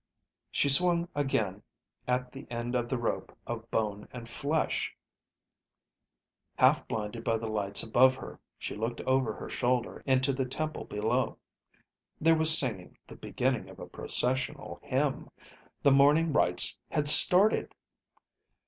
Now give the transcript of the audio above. She swung again at the end of the rope of bone and flesh; half blinded by the lights above her, she looked over her shoulder, into the temple below. There was singing, the beginning of a processional hymn. The morning rites had started!